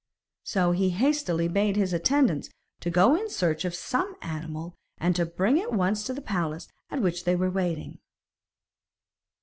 So he hastily bade his attendants to go in search of some animal, and bring it at once to the place at which they were waiting.